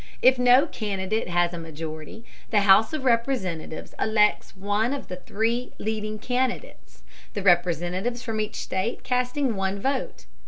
If no candidate has a majority, the House of Representatives elects one of the three leading candidates, the Representatives from each state casting one vote.